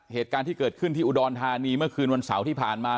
เหตุการณ์ที่เกิดขึ้นที่อุดรธานีเมื่อคืนวันเสาร์ที่ผ่านมา